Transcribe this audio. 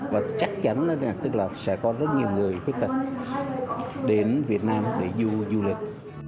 và chắc chắn là sẽ có rất nhiều người khuyết tật đến việt nam để du lịch